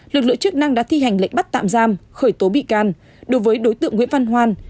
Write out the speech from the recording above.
lực lượng chức năng đã thi hành lệnh bắt tạm giam khởi tố bị can đối với đối tượng nguyễn văn hoan